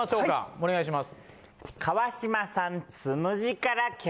お願いします。